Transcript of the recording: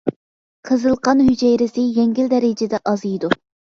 قىزىل قان ھۈجەيرىسى يەڭگىل دەرىجىدە ئازىيىدۇ.